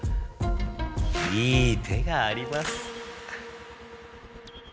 いい手があります。